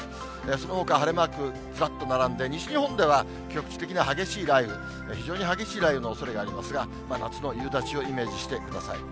そのほか晴れマークずらっと並んで、西日本では局地的には激しい雷雨、非常に激しい雷雨のおそれがありますが、夏の夕立をイメージしてください。